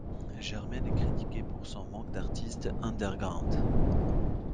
Jermaine est critiqué pour son manque d'artistes underground.